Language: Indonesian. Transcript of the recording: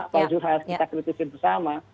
pak zulhas kita kritis bersama